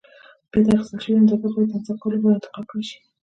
بیا دا اخیستل شوې اندازه باید د اندازه کولو لپاره انتقال کړای شي.